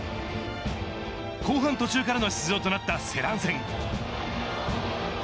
後半途中からの出場となったセラン戦。